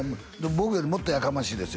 僕よりもっとやかましいですよ